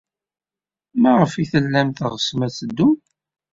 Maɣef ay tellam teɣsem ad teddum?